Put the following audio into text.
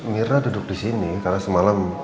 mirna duduk disini karena semalam